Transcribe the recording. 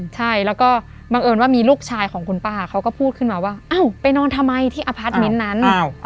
ใช่แล้วก็บังเอิญว่ามีลูกชายของคุณป้าเขาก็พูดขึ้นมาว่าอ้าวไปนอนทำไมที่อพาร์ทเมนต์นั้น